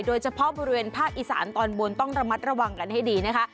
โดยเฉพาะบริเวณภาคอีสานตอนบนต้องระมัดระวังกันให้ดีนะคะ